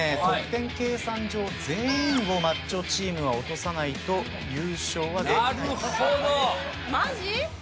得点計算上全員をマッチョチームは落とさないと優勝はできない。